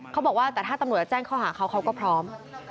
เขาบอกว่าแต่ถ้าตำหนดแจ้งเขามาหาเขาก็พร้อม